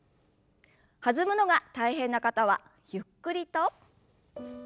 弾むのが大変な方はゆっくりと。